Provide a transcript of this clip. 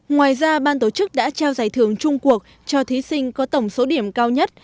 ngoài ra ban tổ chức đã trao giải thưởng trung quốc cho thí sinh có tổng số điểm cao nhất